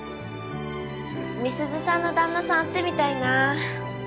美鈴さんの旦那さん会ってみたいなぁ。